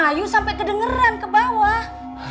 ayu sampai kedengeran ke bawah